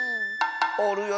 おるよ